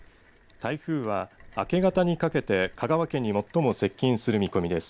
台風は明け方にかけて香川県に最も接近する見込みです。